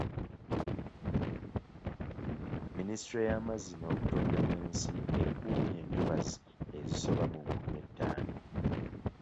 Ministule y'amazzi n'obutonde bw'ensi ekuumye entobazi ezisoba mu nkumi ettaano.